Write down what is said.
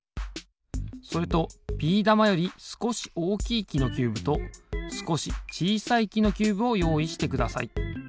それとビー玉よりすこしおおきいきのキューブとすこしちいさいきのキューブをよういしてください。